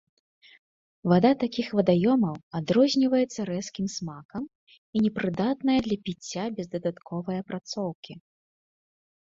Вада такіх вадаёмаў адрозніваецца рэзкім смакам і непрыдатная для піцця без дадатковай апрацоўкі.